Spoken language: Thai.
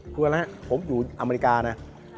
เพราะฉะนั้นผมอยู่อเมริกานะ